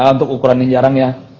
untuk ukuran yang jarang ya